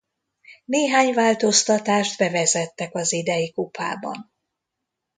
Néhány változtatást bevezettek az idei kupában.